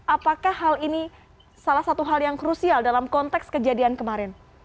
apakah hal ini salah satu hal yang krusial dalam konteks kejadian kemarin